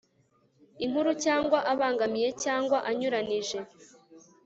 nkuru cyangwa abangamiye cyangwa anyuranije